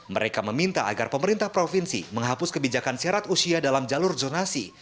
mereka meminta agar pemerintah provinsi menghapus kebijakan syarat usia dalam jalur zonasi